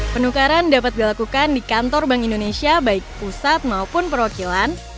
penukaran dapat dilakukan di kantor bank indonesia baik pusat maupun perwakilan